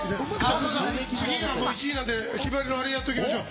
次が１位なんで、お決まりのあれ、やっときましょう。